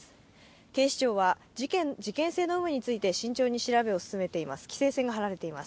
警視庁は事件性の有無について慎重に調べを進めています。